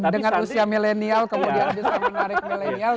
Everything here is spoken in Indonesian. dengan usia milenial kemudian bisa menarik milenial